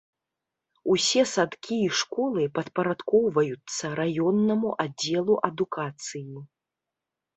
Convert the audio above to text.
Усе садкі і школы падпарадкоўваюцца раённаму аддзелу адукацыі.